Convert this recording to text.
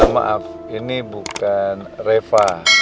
maaf ini bukan reva